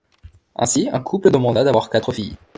Ainsi un couple demanda d'avoir quatre filles.